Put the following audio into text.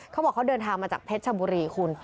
เขาบอกเขาเดินทางมาจากเพชรชบุรีคุณ